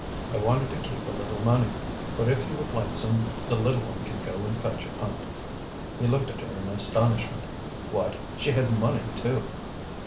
"I wanted to keep a little money. But if you would like some the little one can go and fetch a pint." He looked at her in astonishment. What! she had money, too!